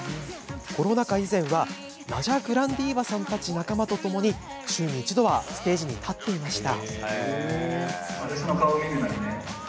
コロナ禍以前はナジャ・グランディーバさんたち仲間とともに、週に一度はステージに立っていました。